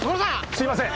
すいません。